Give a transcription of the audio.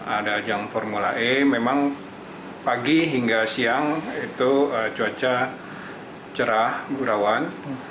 ada ajang formula e memang pagi hingga siang itu cuaca cerah berawan